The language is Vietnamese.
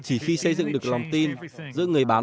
chỉ khi xây dựng được lòng tin giữa người bán và người bán